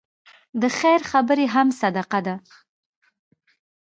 د خیر خبرې هم صدقه ده.